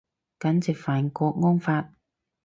簡直犯郭安發